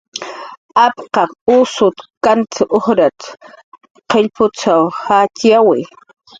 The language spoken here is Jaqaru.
"Apkaq ukstak kant ujrat"" qillp utz jayyawi."